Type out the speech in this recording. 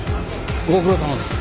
ご苦労さまです。